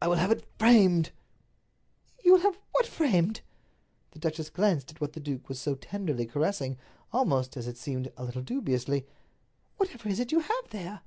"I will have it framed." "You will have what framed?" The duchess glanced at what the duke was so tenderly caressing, almost, as it seemed, a little dubiously. "Whatever is it you have there?"